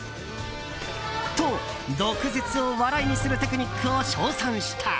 と、毒舌を笑いにするテクニックを称賛した。